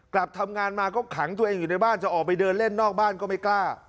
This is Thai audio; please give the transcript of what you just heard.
กลับทำงานมาก็ขังตัวเองอยู่ในบ้านจะออกไปเดินเล่นนอกบ้านก็ไม่กล้า